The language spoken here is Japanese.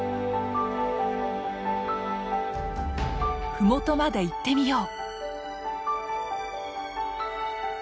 麓まで行ってみよう。